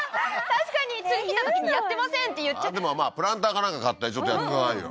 確かに次来たときにやってませんって言っちゃでもプランターかなんか買ってちょっとやってくださいよ